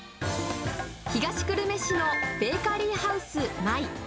東久留米市のベーカリーハウス・マイ。